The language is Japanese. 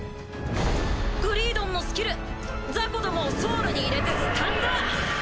グリードンのスキルザコどもをソウルに入れてスタンド！